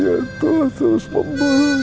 yang telah terus membunuh